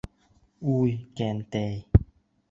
Уй, кәнтәй!